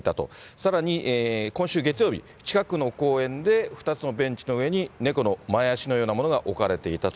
さらに今週月曜日、近くの公園で、２つのベンチの上に、猫の前足のようなものが置かれていたと。